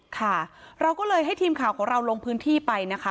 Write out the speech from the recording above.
ค่ะเราก็เลยให้ทีมข่าวของเราลงพื้นที่ไปนะคะ